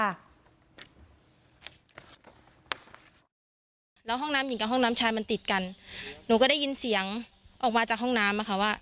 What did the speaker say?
แล้วห้องน้ำหญิงกับห้องน้ำชายมันติดกันหนูก็ได้ยินเสียงออกมาจากห้องน้ำอะค่ะว่า